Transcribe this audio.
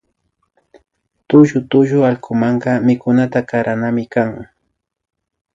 Tullu tullu allkumanka mikunata karanami kan